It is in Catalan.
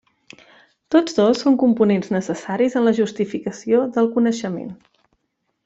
Tots dos són components necessaris en la justificació del coneixement.